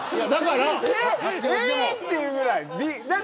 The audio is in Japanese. ええっていうぐらい。